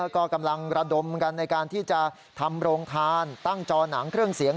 ก็กำลังระดมกันในการที่จะทำโรงทานตั้งจอหนังเครื่องเสียง